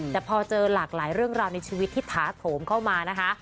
แต่พอเจอหลากหลายเรื่องราวในชีวิตที่ถาโถมเข้ามานะคะ